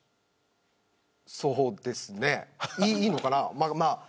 そうですね、いいのかな。